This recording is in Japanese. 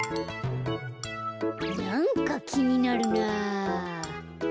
なんかきになるなぁ。